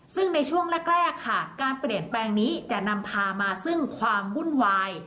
ซึ่งในช่วงแรกค่ะการเปลี่ยนแปลงนี้จะนำพามาซึ่งความวุ่นวาย